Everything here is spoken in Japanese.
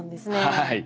はい。